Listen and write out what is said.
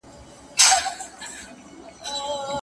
يوسف عليه السلام له وروڼو څخه انتقام وانه خيست.